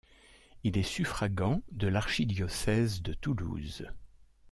Il est suffragant de l'archidiocèse de Toulouse.